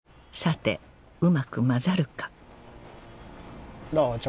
さてうまく混ざるかどう？